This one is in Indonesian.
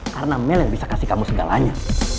karena mel yang bisa kasih kamu segalanya